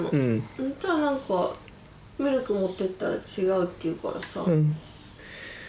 そしたら何かミルク持ってったら違うって言うからさ。